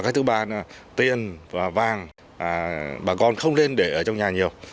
cái thứ ba là tiền và vàng bà con không lên để ở trong nhà nhiều